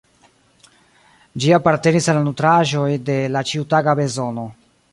Ĝi apartenis al la nutraĵoj de la ĉiutaga bezono.